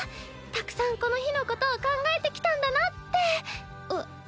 たくさんこの日のことを考えてきたんだなって。